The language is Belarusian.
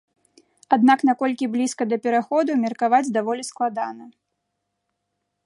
Аднак наколькі блізка да пераходу меркаваць даволі складана.